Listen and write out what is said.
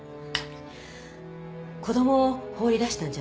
子供を放り出したんじゃない。